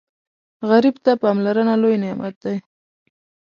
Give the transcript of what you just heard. غریب ته پاملرنه لوی نعمت وي